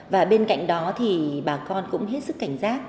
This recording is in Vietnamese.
và bên cạnh đó thì bà con cũng hết sức cảnh giác